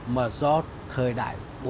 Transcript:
mà do thời đại bốn